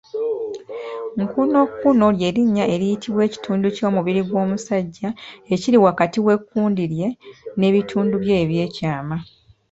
Nkuunokuuno ly'erinnya eriyitibwa ekitundu ky’omubiri gw’omusajja ekiri wakati w’ekkundi lye n’ebitundu bye eby’ekyama.